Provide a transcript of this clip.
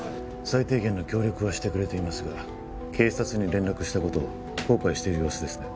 最低限の協力はしてくれていますが警察に連絡したことを後悔している様子ですね